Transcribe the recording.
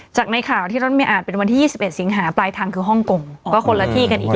จากในข่าวที่รถเมย์อ่านเป็นวันที่๒๑สิงหาปลายทางคือฮ่องกงก็คนละที่กันอีก